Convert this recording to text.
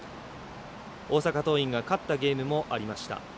大阪桐蔭が勝ったゲームもありました。